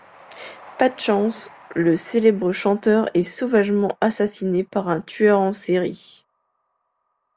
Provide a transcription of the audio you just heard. Pas de chance, le célèbre chanteur est sauvagement assassiné par un tueur en série.